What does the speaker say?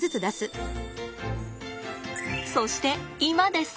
そして今です。